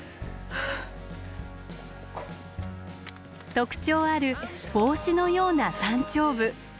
特徴ある帽子のような山頂部。